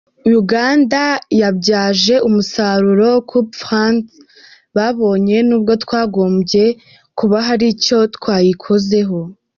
Uganda yabyaje umusaruro coup franc babonye nubwo twagombye kuba hari icyo twayikozeho.